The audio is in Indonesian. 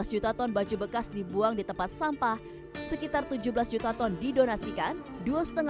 lima belas juta ton baju bekas dibuang di tempat sampah sekitar tujuh belas juta ton didonasikan